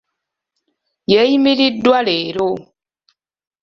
Yeeyimiriddwa leero.